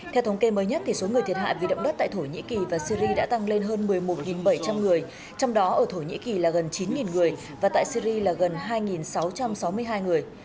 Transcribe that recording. theo thống kê mới nhất số người thiệt hại vì động đất tại thổ nhĩ kỳ và syri đã tăng lên hơn một mươi một bảy trăm linh người trong đó ở thổ nhĩ kỳ là gần chín người và tại syri là gần hai sáu trăm sáu mươi hai người